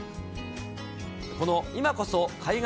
この今こそ海外！